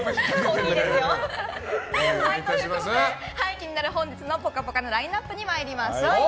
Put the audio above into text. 気になる本日の、ぽかぽかなラインアップに参りましょう。